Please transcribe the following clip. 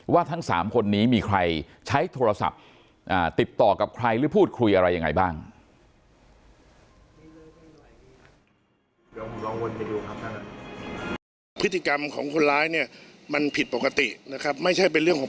ทั้ง๓คนนี้มีใครใช้โทรศัพท์ติดต่อกับใครหรือพูดคุยอะไรยังไงบ้าง